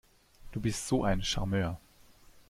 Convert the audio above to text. Du bist so ein Charmeur!